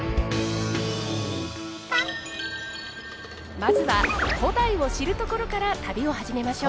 まずは古代を知るところから旅を始めましょう。